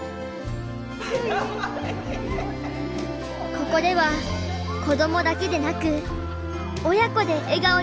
ここでは子どもだけでなく親子で笑顔になれます。